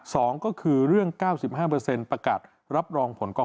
สองก็คือเรื่อง๙๕ประกาศรับรองผลก